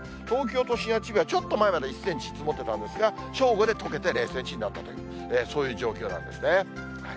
東京都心や千葉、ちょっと前まで１センチ、積もってたんですが、正午でとけて０センチになったという、そういう状況なんですね。